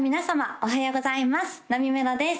おはようございますなみめろです